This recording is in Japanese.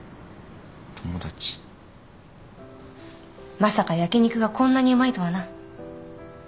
まさか焼き肉がこんなにうまいとはな。